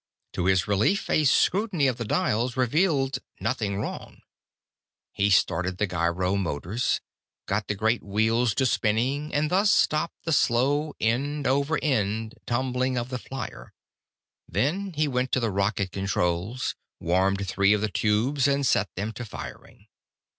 To his relief, a scrutiny of the dials revealed nothing wrong. He started the gyro motors, got the great wheels to spinning, and thus stopped the slow, end over end turning of the flier. Then he went to the rocket controls, warmed three of the tubes, and set them to firing.